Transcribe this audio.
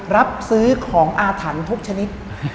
รับซื้อของอาถรรพ์ทุกชนิด